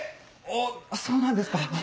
おっそうなんですか？